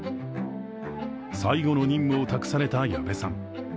最後の任務を託された矢部さん。